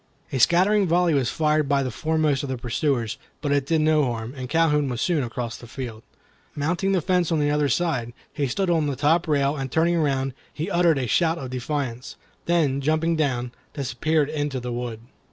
A scattering volley was fired by the foremost of the pursuers, but it did no harm, and Calhoun was soon across the field. Mounting the fence on the other side, he stood on the top rail, and turning around, he uttered a shout of defiance, then jumping down, disappeared in the wood.